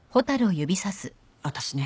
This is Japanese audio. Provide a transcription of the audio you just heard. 私ね。